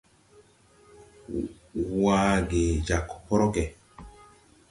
Waa ge jagge hrog.